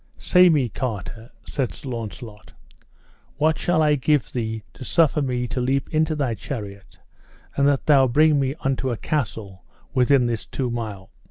Say me, carter, said Sir Launcelot, what shall I give thee to suffer me to leap into thy chariot, and that thou bring me unto a castle within this two mile?